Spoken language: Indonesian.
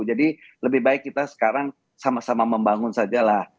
jadi lebih baik kita sekarang sama sama membangun sajalah